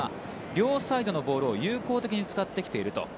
両サイドのボールを有効的に使ってきていると。